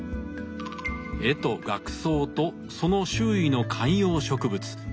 絵と額装とその周囲の観葉植物。